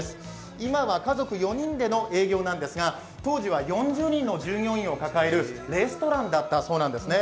今は家族４人での営業なんですが当時は４０人の従業員を抱えるレストランだったそうなんですね。